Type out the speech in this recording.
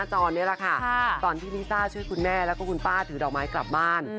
ตอนนี้แหละค่ะตอนที่ลิซ่าช่วยคุณแม่แล้วก็คุณป้าถือดอกไม้กลับบ้าน